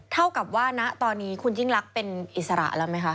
เท่ากับว่าณตอนนี้คุณยิ่งลักษณ์เป็นอิสระแล้วไหมคะ